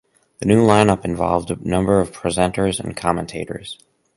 The new line-up involved a number of presenters and commentators.